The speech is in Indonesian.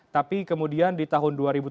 tapi kemudian di tahun dua ribu tujuh belas